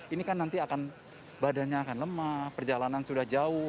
ini kan nanti akan badannya akan lemah perjalanan sudah jauh